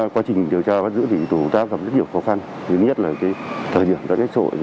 quá trình điều tra vắt giữ thì tổng hợp gặp rất nhiều khó khăn nhất nhất là thời điểm đã kết sội